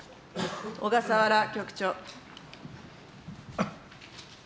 小笠原局長。